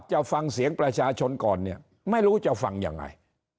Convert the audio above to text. จะฟังเสียงประชาชนก่อนไม่รู้จะฟังอย่างไร